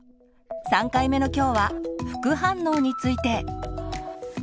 ３回目の今日は「副反応について」。